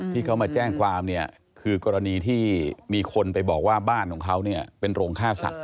ที่เขามาแจ้งความเนี่ยคือกรณีที่มีคนไปบอกว่าบ้านของเขาเนี่ยเป็นโรงฆ่าสัตว